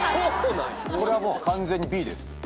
これはもう完全にＢです。